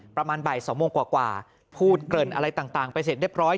ประมาณบ่าย๒โมงกว่าพูดเกริ่นอะไรต่างไปเสร็จเรียบร้อย